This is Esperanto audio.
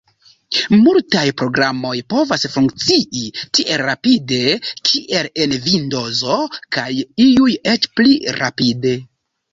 Multaj programoj povas funkcii tiel rapide kiel en Vindozo, kaj iuj eĉ pli rapide.